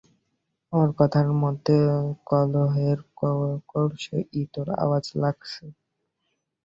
ওর কথার মধ্যে কলহের কর্কশ ইতর আওয়াজ লাগছে।